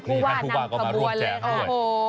พูดว่านำคบวนเลยค่ะ